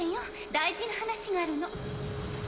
大事な話があるの。